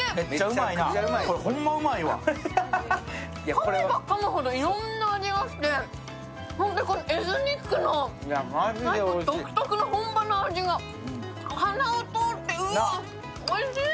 かめばかむほどいろんな味がしてホントにエスニックの独特の本場の味が鼻を通って、うわーおいしい！